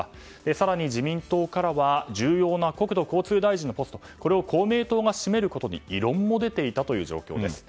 更に、自民党からは重要な国土交通大臣のポストこれを公明党が占めることに異論も出ていたという状況です。